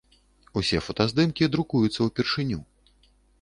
Усе фотаздымкі друкуюцца ўпершыню.